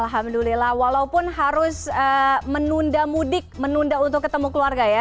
alhamdulillah walaupun harus menunda mudik menunda untuk ketemu keluarga ya